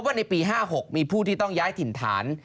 ในปี๕๖มีผู้ที่ต้องย้ายถิ่นฐาน